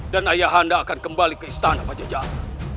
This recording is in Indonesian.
dan ayahanda akan kembali ke istana batu jahat